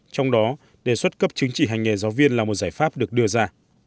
trong đó đề xuất cấp chứng chỉ hành nghề giáo viên là một giải pháp được đưa ra